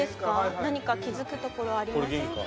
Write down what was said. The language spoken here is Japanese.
何か気付くところありませんか？